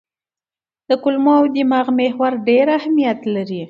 د کولمو او دماغ محور ډېر اهمیت لري.